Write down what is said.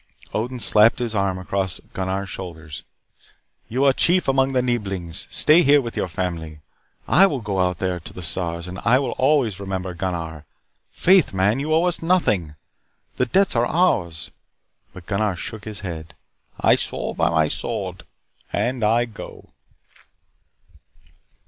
Odin slapped his arm across Gunnar's shoulders. "You are chief among the Neeblings. Stay here with your family. I will go out there to the stars, and I will always remember Gunnar. Faith, man, you owe us nothing. The debts are ours " But Gunnar shook his head. "I swore by my sword. And I go."